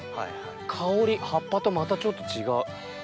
香り葉っぱとまたちょっと違う。